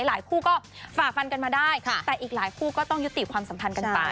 คู่ก็ฝ่าฟันกันมาได้แต่อีกหลายคู่ก็ต้องยุติความสัมพันธ์กันไป